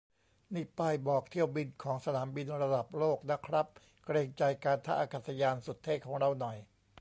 นี่ป้ายบอกเที่ยวบินของสนามบินระดับโลกนะครับ เกรงใจการท่าอากาศยานสุดเท่ของเราหน่อย